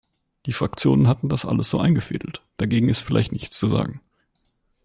Die Fraktionen hatten das alles so eingefädelt – dagegen ist vielleicht nichts zu sagen.